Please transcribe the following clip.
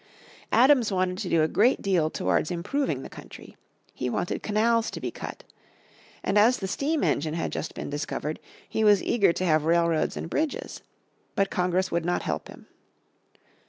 Adams wanted to do a great deal towards improving the country. He wanted canals to be cut. And as the steam engine had just been discovered, he was eager to have railroads and bridges. But Congress would not help him.